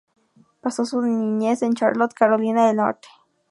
Pasó su niñez en Charlotte, Carolina del Norte.